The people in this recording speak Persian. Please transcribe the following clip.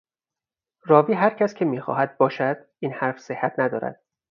راوی هر کس که میخواهد باشد، این حرف صحت ندارد.